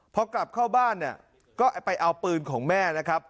พอกลับเข้าบ้านเนี่ยก็ไปเอาปืนของแม่นะครับ